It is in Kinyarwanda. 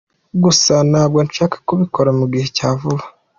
Gusa ntabwo nshaka kubikora mu gihe cya vuba.